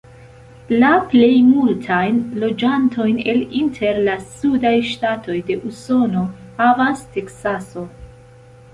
La plej multajn loĝantojn el inter la sudaj ŝtatoj de Usono havas Teksaso.